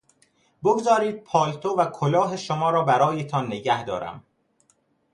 بگذارید پالتو و کلاه شما را برایتان نگه دارم.